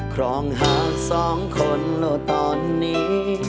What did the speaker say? ครองหากสองคนแล้วตอนนี้